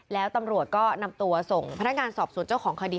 แล้วตำรวจก็นำตัวส่งพนักงานสอบสวนเจ้าของคดี